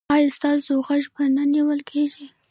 ایا ستاسو غږ به نه نیول کیږي؟